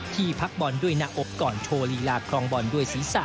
พักบอลด้วยหน้าอกก่อนโชว์ลีลาครองบอลด้วยศีรษะ